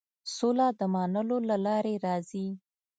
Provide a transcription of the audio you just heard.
سوله د منلو له لارې راځي.